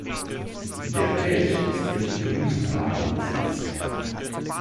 Der Kelch ist mit Drüsenhaaren besetzt.